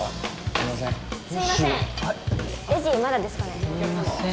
すみません。